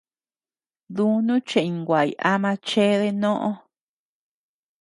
Dúnu cheʼeñ nguay ama chéde nóʼö.